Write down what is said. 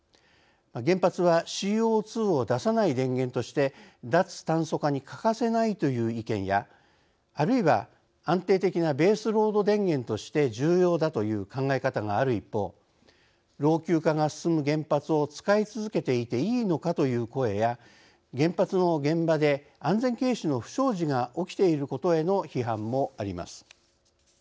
原発はＣＯ２を出さない電源として脱炭素化に欠かせないという意見やあるいは安定的なベースロード電源として重要だという考え方がある一方老朽化が進む原発を使い続けていていいのかという声や原発の現場で安全軽視の不祥事が起きていることへの批判もあります。